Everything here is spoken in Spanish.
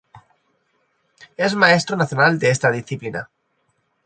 Es maestro nacional de esta disciplina.